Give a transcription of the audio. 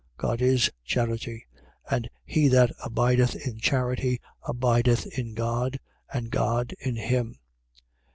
God is charity: and he that abideth in charity abideth in God, and God in him.